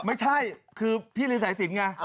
ไม่ใช่คือพี่เรียนสายศิลป์ไง